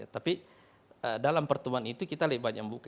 tapi dalam pertemuan itu kita lebih banyak buka